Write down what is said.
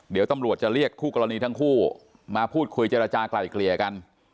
เดี๋ยวตำรวจจะเรียกคู่กรณีทั้งคู่มาพูดคุยเจรจากลายเกลี่ยกัน